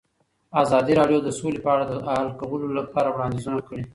ازادي راډیو د سوله په اړه د حل کولو لپاره وړاندیزونه کړي.